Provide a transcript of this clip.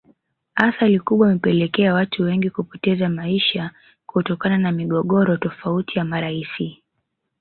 Athari kubwa imepelekea watu wengi kupoteza maisha kutokana na migogoro tofauti ya marais